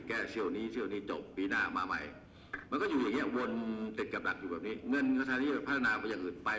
แก้เซี่ยวหนี้เซี่ยวหนี้ไปปีหน้าออกมาใหม่